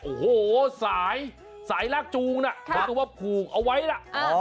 โอ้โหสายรากจูงน่ะเขาก็ว่าผูกเอาไว้ล่ะ